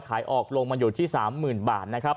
ขายออกลงมาอยู่ที่๓๐๐๐บาทนะครับ